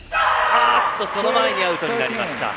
その前にアウトになりました。